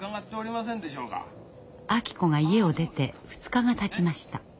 明子が家を出て２日がたちました。